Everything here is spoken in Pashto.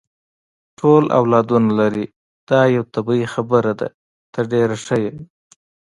ټول اولادونه لري، دا یوه طبیعي خبره ده، ته ډېره ښه یې.